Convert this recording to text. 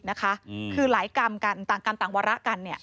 คือหลายกรรมต่างกรรมต่างวระ